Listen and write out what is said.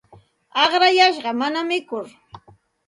Aqrayashqa mana mikur.